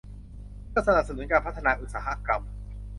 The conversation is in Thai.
เพื่อสนับสนุนการพัฒนาอุตสาหกรรม